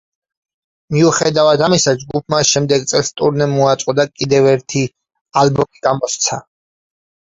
მიუხედავად ამისა, ჯგუფმა შემდეგ წელს ტურნე მოაწყო და კიდევ ერთი ალბომი გამოსცა.